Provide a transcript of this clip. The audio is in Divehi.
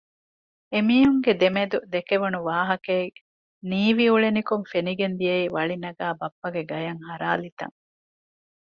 އެމީހުންގެ ދެމެދު ދެކެވުނު ވާހަކައެއް ނީވި އުޅެނިކޮށް ފެނިގެން ދިޔައީ ވަޅި ނަގާ ބައްޕަގެ ގަޔަށް ހަރާލި ތަން